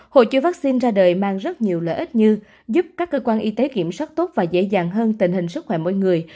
hội chứa vaccine ra đời mang rất nhiều lợi ích như giúp các cơ quan y tế kiểm soát tốt và dễ dàng hơn tình hình sức khỏe mỗi người